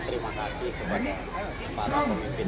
terima kasih kepada para pemimpin